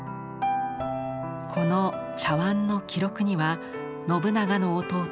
この茶碗の記録には信長の弟